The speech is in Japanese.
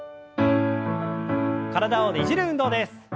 体をねじる運動です。